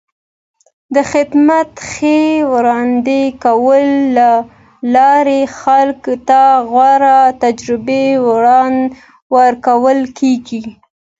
د خدمت ښې وړاندې کولو له لارې خلکو ته غوره تجربه ورکول کېږي.